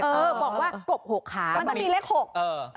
บอกว่ากบ๖ขามันต้องมีเลข๖เออ